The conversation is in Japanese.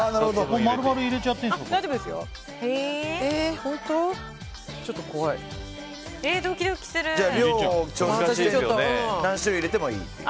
丸々入れちゃっていいんですか？